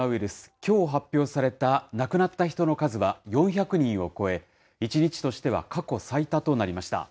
きょう発表された亡くなった人の数は４００人を超え、１日としては過去最多となりました。